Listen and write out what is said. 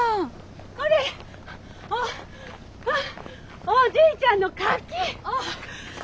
これおおおじいちゃんのカキ！